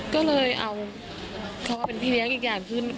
ก็เลยเอาเขามาเป็นพี่เลี้ยงอีกอย่างขึ้น